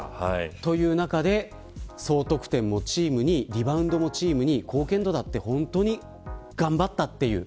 という中で、総得点もチーム２位リバウンドもチーム２位貢献度も本当に頑張ったという。